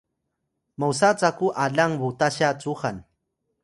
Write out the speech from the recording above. Yaway: mosa caku alang Butasya cuxan